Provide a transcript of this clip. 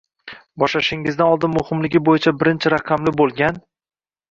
Boshlashingizdan oldin muhimligi bo’yicha birinchi raqamli bo’lgan